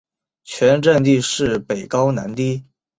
全镇地势北高南低。